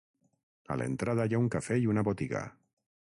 A l'entrada hi ha un cafè i una botiga.